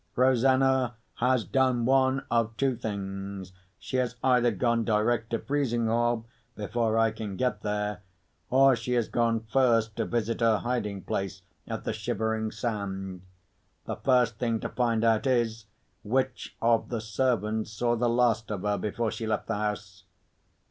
"Rosanna has done one of two things. She has either gone direct to Frizinghall (before I can get there), or she has gone first to visit her hiding place at the Shivering Sand. The first thing to find out is, which of the servants saw the last of her before she left the house."